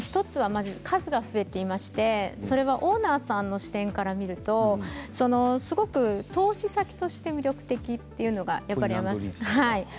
１つは数が増えていましてそれはオーナーさんの視点から見るとすごく投資先として魅力的というのがやっぱりあります。